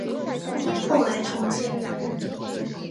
后来重建。